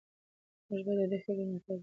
موږ باید د دې فکر ملاتړ وکړو.